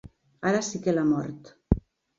Ara sí que l'ha mort.